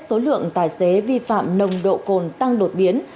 số lượng tài xế vi phạm nồng độ cồn tăng đột biến